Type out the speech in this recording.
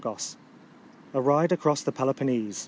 5G6 A Hide across the Pcloftonnese.